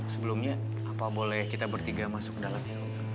sebelumnya apa boleh kita bertiga masuk ke dalam ya